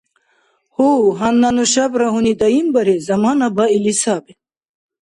Гьу, гьанна нушабра гьуни даимбарес замана баили саби…